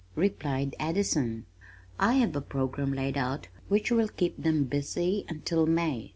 replied Addison. "I have a program laid out which will keep them busy until May.